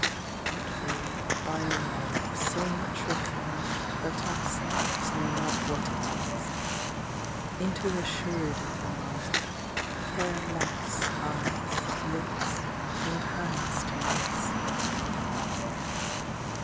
But we by a love, so much refin'd, That our selves know not what it is, Inter assured of the mind, Care lesse, eyes, lips, and hands to misse.